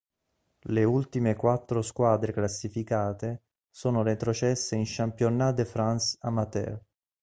Le ultime quattro squadre classificate sono retrocesse in Championnat de France amateur.